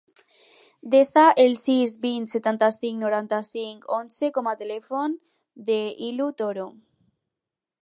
Desa el sis, vint, setanta-cinc, noranta-cinc, onze com a telèfon de l'Iu Toro.